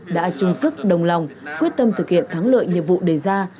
đã chung sức đồng lòng quyết tâm thực hiện thắng lợi nhiệm vụ đề ra